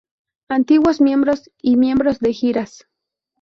Antiguos Miembros y Miembros de giras